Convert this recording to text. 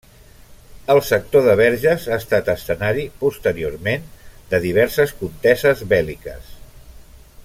El sector de Verges ha estat escenari, posteriorment, de diverses conteses bèl·liques.